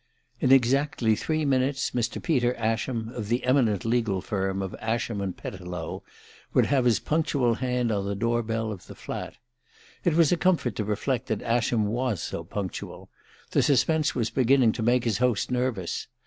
In exactly three minutes Mr. Peter Ascham, of the eminent legal firm of Ascham and Pettilow, would have his punctual hand on the door bell of the flat. It was a comfort to reflect that Ascham was so punctual the suspense was beginning to make his host nervous.